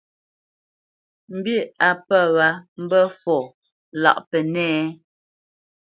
Mbî á pə̂ wǎ mbə́ fɔ lâʼ Pənɛ́a a ?